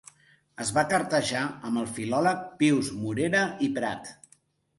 Es va cartejar amb el filòleg Pius Morera i Prat.